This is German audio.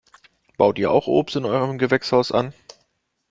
Baut ihr auch Obst in eurem Gewächshaus an?